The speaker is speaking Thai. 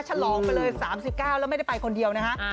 ฉลองไปเลย๓๙แล้วไม่ได้ไปคนเดียวนะฮะ